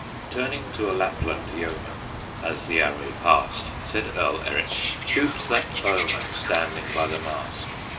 Turning to a Lapland yeoman, As the arrow passed, Said Earl Eric, "Shoot that bowman Standing by the mast."